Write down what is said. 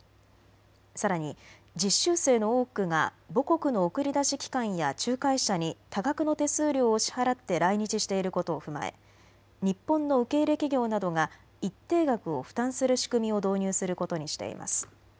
さらに実習生の多くが母国の送り出し機関や仲介者に多額の手数料を支払って来日していることを踏まえ日本の受け入れ企業などが一定額を負担する仕組みを導入することにしています。